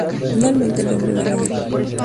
Finalmente, el hombre va a la guerra.